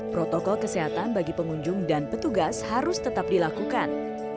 protokol kesehatan bagi pengunjung dan petugas harus tetap dilakukan